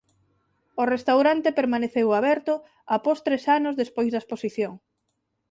O restaurante permaneceu aberto após tres anos despois da exposición.